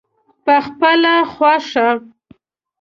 پخپله خوښه.